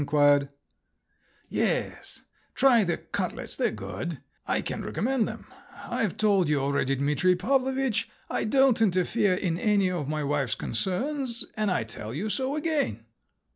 Sanin inquired. "Yes. Try the cutlets—they're good. I can recommend them. I've told you already, Dimitri Pavlovitch, I don't interfere in any of my wife's concerns, and I tell you so again."